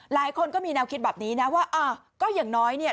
หลายคนก็มีแนวคิดแบบนี้นะว่าอ่าก็อย่างน้อยเนี่ย